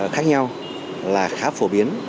khác nhau là khá phổ biến